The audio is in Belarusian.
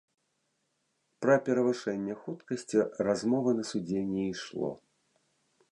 Пра перавышэнне хуткасці размовы на судзе не ішло.